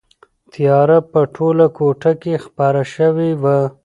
تیاره په ټوله کوټه کې خپره شوې وه.